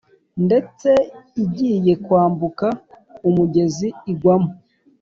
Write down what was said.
ndetse igiye kwambuka umugezi igwamo.